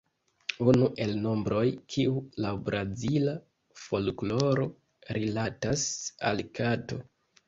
Unu el nombroj kiu laŭ Brazila folkloro rilatas al kato.